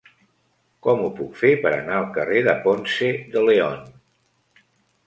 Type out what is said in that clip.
Com ho puc fer per anar al carrer de Ponce de León?